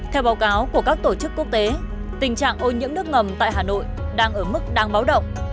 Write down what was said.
theo báo cáo của các tổ chức quốc tế tình trạng ô nhiễm nước ngầm tại hà nội đang ở mức đang báo động